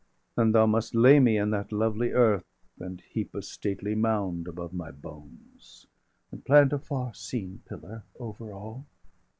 And thou must lay me in that lovely earth, And heap a stately mound° above my bones, °788 And plant a far seen pillar over all.